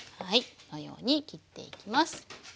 このように切っていきます。